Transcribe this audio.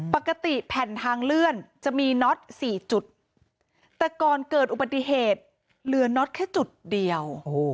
ปกติแผ่นทางเลื่อนจะมีน็อต๔จุดแต่ก่อนเกิดอุบัติเหตุเหลือน็อตแค่จุดเดียว